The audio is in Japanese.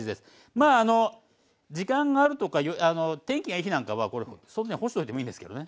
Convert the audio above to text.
まあ時間があるとか天気がいい日なんかはこれ外に干しておいてもいいんですけどね。